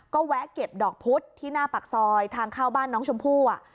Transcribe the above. ก็แวะเก็บดอกพุธที่หน้าปากซอยทางเข้าบ้านน้องชมพู่